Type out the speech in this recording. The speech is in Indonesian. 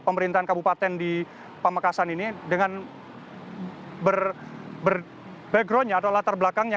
pemerintahan kabupaten di pamekasan ini dengan backgroundnya atau latar belakangnya